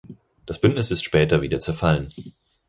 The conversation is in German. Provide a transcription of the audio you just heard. Das Bündnis ist später wieder zerfallen.